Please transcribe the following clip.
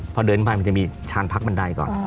พอเดินไปมันจะมีชานพักบันไดก่อน